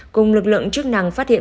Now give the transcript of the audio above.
cùng lực lượng chức năng phát hiện